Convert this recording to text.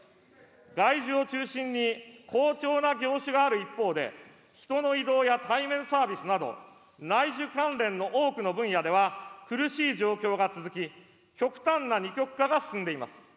外需を中心に好調な業種がある一方で、人の移動や対面サービスなど、内需関連の多くの分野では、苦しい状況が続き、極端な二極化が進んでいます。